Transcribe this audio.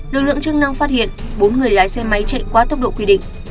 lực lượng chức năng phát hiện bốn người lái xe máy chạy quá tốc độ quy định